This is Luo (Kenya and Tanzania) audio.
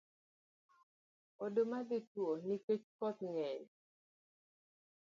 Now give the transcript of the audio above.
Oduma dhi tow nikech koth ngeny.